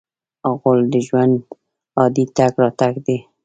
غول د ژوند عادي تګ راتګ دی.